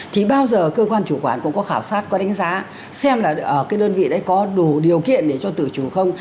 thì bao giờ cơ quan chủ quản cũng có khảo sát có đánh giá xem là cái đơn vị đấy có đủ điều kiện để cho tự chủ không